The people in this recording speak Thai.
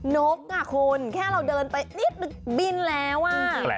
นกอ่ะคุณแค่เราเดินไปนิดนึงบินแล้วอ่ะ